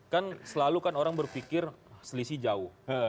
kan selalu kan orang berpikir selisih jauh